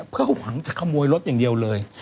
เพื่อหวังจะขโมยรถอย่างเดียวเลย